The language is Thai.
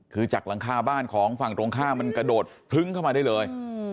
คือจากหลังคาบ้านของฝั่งตรงข้ามมันกระโดดพลึ้งเข้ามาได้เลย